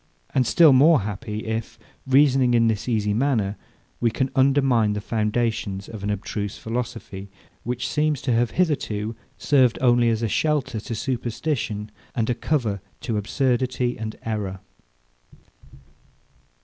And still more happy, if, reasoning in this easy manner, we can undermine the foundations of an abstruse philosophy, which seems to have hitherto served only as a shelter to superstition, and a cover to absurdity and error!